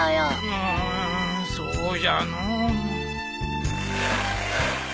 うんそうじゃのう。